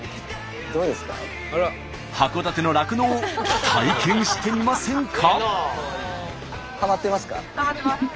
函館の酪農を体験してみませんか？